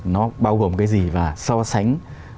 nó bao gồm cái gì và so sánh